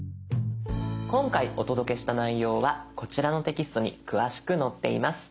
今回お届けした内容はこちらのテキストに詳しく載っています。